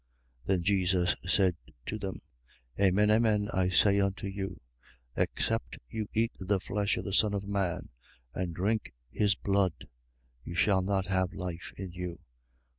6:54. Then Jesus said to them: Amen, amen, I say unto you: except you eat the flesh of the Son of man and drink his blood, you shall not have life in you.